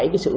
bảy cái sửu